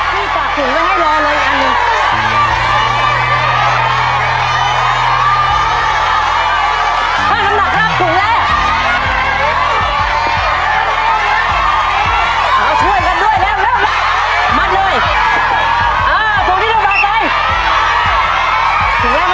ช่วยกันด้วยเร็วเร็วมาดเลยอ้าส่วนดีแล้วมากใจ